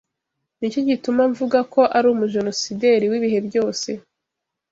Nicyo gituma mvuga ko ari Umujenosideri w’ibihe byose